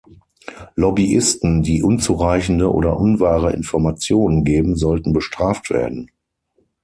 Lobbyisten, die unzureichende oder unwahre Informationen geben, sollten bestraft werden.